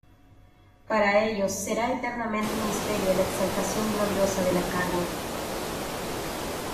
para ellos será eternamente un misterio la exaltación gloriosa de la carne.